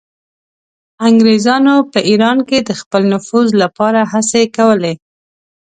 انګریزانو په ایران کې د خپل نفوذ لپاره هڅې کولې.